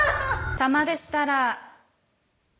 弾でしたら。